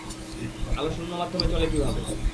আলো শূন্য মাধ্যমে চলে কীভাবে?